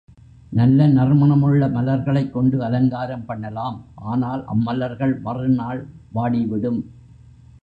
நல்ல நறுமணமுள்ள மலர்களைக் கொண்டு அலங்காரம் பண்ணலாம் ஆனால் அம்மலர்கள் மறுநாள் வாடிவிடும்.